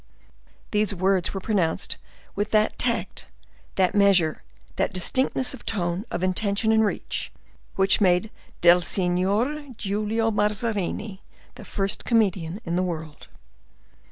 These words were pronounced with that tact—that measure, that distinctness of tone, of intention, and reach—which made del Signor Giulio Mazarini the first comedian in the world.